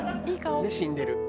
で死んでる。